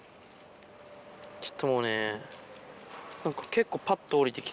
ちょっともうね何か。